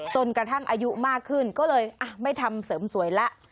จนกระทั่งอายุมากขึ้นก็เลยไม่ทำเสริมสวยแล้ว